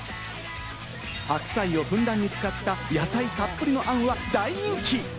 白菜をふんだんに使った野菜たっぷりの餡は大人気！